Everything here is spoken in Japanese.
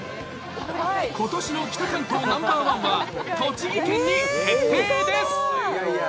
ことしの北関東ナンバーワンは、栃木県に決定です。